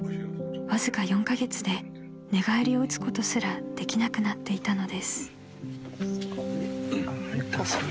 ［わずか４カ月で寝返りをうつことすらできなくなっていたのです］